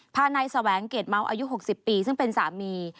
นายแสวงเกรดเมาอายุ๖๐ปีซึ่งเป็นสามี